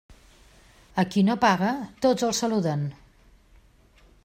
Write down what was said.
A qui no paga tots els saluden.